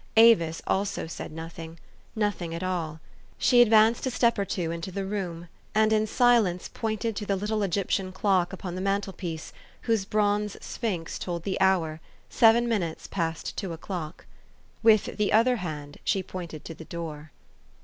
Avis also said nothing nothing at all. She advanced a step or two into the room, and in silence pointed to the little Egyptian clock upon the mantel piece, whose bronze sphinx told the hour, seven minutes past two o'clock. With the other hand she pointed to the door.